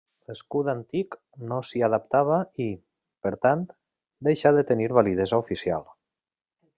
L'escut antic no s'hi adaptava i, per tant, deixà de tenir validesa oficial.